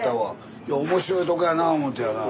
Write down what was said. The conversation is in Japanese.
いや面白いとこやな思てやな。